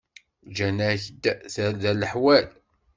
Ǧǧan-ak-d tarda leḥwal.